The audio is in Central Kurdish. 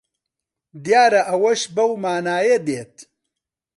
دیارە ئەوەش بەو مانایە دێت